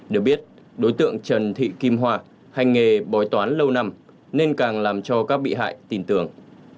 được biết đối tượng trần thị kim hoa hành nghề bói toán lâu năm nên càng làm cho các bị hại tin tưởng